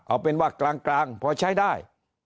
เอาเป็นว่ากลางพอใช้ได้